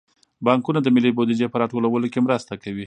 بانکونه د ملي بودیجې په راټولولو کې مرسته کوي.